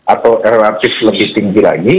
atau relatif lebih tinggi lagi